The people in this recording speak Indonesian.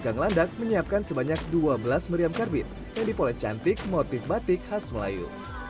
gang landak menyiapkan sebanyak dua belas meriam karbit yang diperoleh cantik motif batik khas melayu